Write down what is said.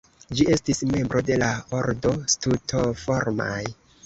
Ĝi estis membro de la ordo Strutoformaj.